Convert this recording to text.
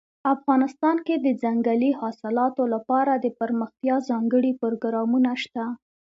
افغانستان کې د ځنګلي حاصلاتو لپاره دپرمختیا ځانګړي پروګرامونه شته.